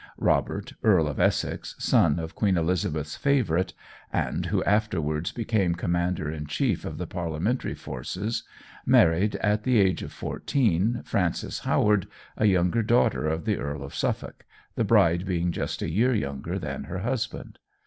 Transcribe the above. Robert, Earl of Essex, son of Queen Elizabeth's favourite, and who afterwards became Commander in chief of the Parliamentary forces, married, at the age of fourteen, Frances Howard, a younger daughter of the Earl of Suffolk, the bride being just a year younger than her husband.